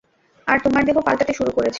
আর তোমার দেহ, - পাল্টাতে শুরু করেছে।